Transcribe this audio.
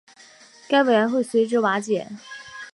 该委员会随之瓦解。